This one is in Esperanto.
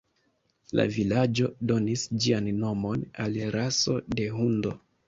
La vilaĝo donis ĝian nomon al raso de hundo.